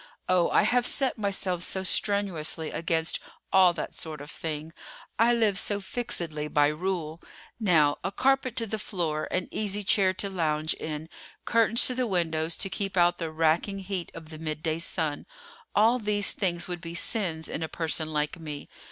Oh, I have set myself so strenuously against all that sort of thing. I live so fixedly by rule. Now, a carpet to the floor, an easy chair to lounge in, curtains to the windows to keep out the racking heat of the midday sun—all these things would be sins in a person like me.